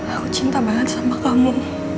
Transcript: aku cinta banget sama kamu